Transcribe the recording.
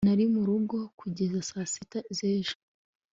nari murugo kugeza saa sita z'ejo